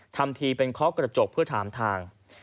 ทำทีเป็นเคาะกระจกเพื่อถามทาง